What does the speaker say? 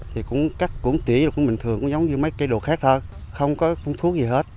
thì cũng cắt cũng tỉ cũng bình thường cũng giống như mấy cây đồ khác thôi không có phun thuốc gì hết